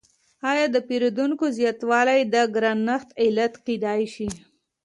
آیا د پیرودونکو زیاتوالی د ګرانښت علت کیدای شي؟